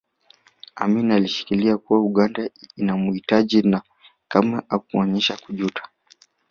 Amin alishikilia kuwa Uganda inamuhitaji na kamwe hakuonyesha kujuta